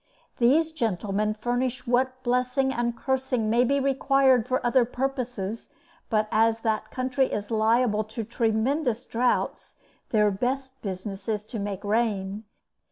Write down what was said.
These gentlemen furnish what blessing and cursing may be required for other purposes; but as that country is liable to tremendous droughts, their best business is to make rain.